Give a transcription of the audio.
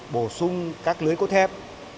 bổ sung các lưới cốt thép